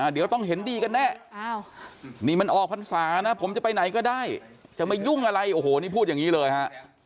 เดี๋ยวต้องเห็นดีกันแน่นี่มันออกพรรษานะผมจะไปไหนก็ได้จะมายุ่งอะไรโอ้โหนี่พูดอย่างนี้เลยฮะ